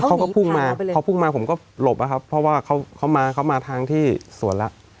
เขาก็พุ่งมาผมก็หลบอะครับเพราะว่าเขามาทางที่สวนละ